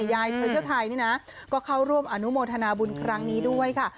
ยายเคยเที่ยวไทยนี่นะก็เข้าร่วมอนุโมทนาบุญครั้งนี้ด้วยค่ะ